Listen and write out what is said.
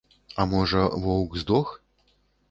А можа, воўк здох?